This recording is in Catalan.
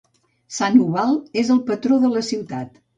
Sant Ubald és el patró de la ciutat.